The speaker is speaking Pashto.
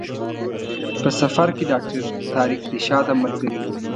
په سفر کې ډاکټر طارق رشاد هم ملګری و.